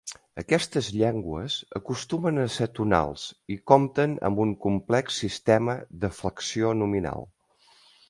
Aquestes llengües acostumen a ser tonals i compten amb un complex sistema de flexió nominal.